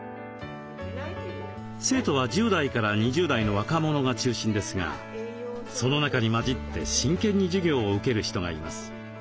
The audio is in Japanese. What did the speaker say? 生徒は１０代から２０代の若者が中心ですがその中に交じって真剣に授業を受ける人がいます。